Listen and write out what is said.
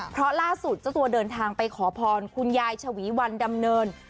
เพราะล่าสุดเจ้าตัวเดินทางไปขอพรคุณยายฉวีวันดำเนิน